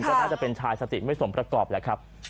ก็น่าจะเป็นชายสติไม่สมประกอบแหละครับ